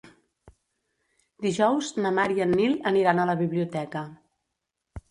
Dijous na Mar i en Nil aniran a la biblioteca.